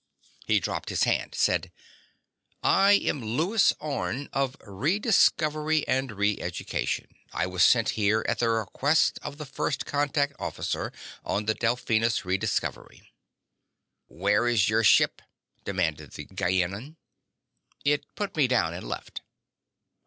_ He dropped his hand, said: "I am Lewis Orne of Rediscovery and Reeducation. I was sent here at the request of the First Contact officer on the Delphinus Rediscovery." "Where is your ship?" demanded the Gienahn. "It put me down and left."